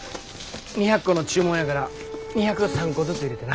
２００個の注文やから２０３個ずつ入れてな。